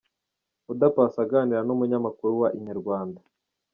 Oda Paccy aganira n’umunyamakuru wa Inyarwanda.